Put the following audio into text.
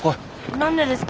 何でですか？